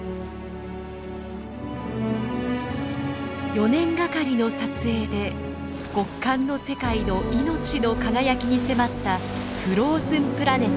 ４年がかりの撮影で極寒の世界の命の輝きに迫った「フローズンプラネット」。